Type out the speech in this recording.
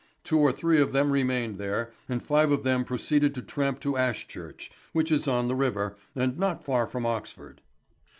Two or three of them remained there, and five of them proceeded to tramp to Ashchurch, which is on the river, and not far from Oxford.